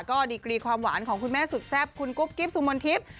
ก็ดีกรีความหวานของคุณแม่สุดแซ่บคุณกุ๊บกิ๊บสุมนทิพย์